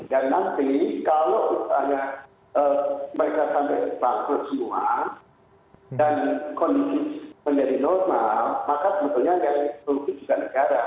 dan nanti kalau usahanya mereka sampai bangkit semua dan kondisi menjadi normal maka sebetulnya yang terlalu juga negara